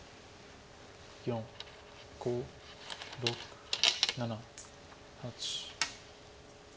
４５６７８。